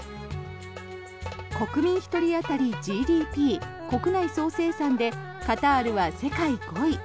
国民１人当たりＧＤＰ・国内総生産でカタールは世界５位。